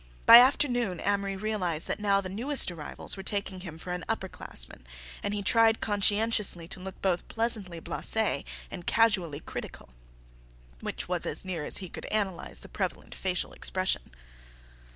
By afternoon Amory realized that now the newest arrivals were taking him for an upper classman, and he tried conscientiously to look both pleasantly blasé and casually critical, which was as near as he could analyze the prevalent facial expression.